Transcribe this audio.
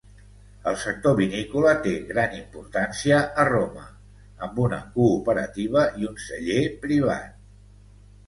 El sector vinícola té gran importància a Roma, amb una cooperativa i un celler privat.